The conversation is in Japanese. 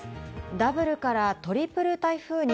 ダブルからトリプル台風に。